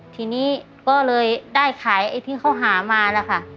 ทีนี้ก็เลยได้ขายไอ้ที่เขาหามานะคะ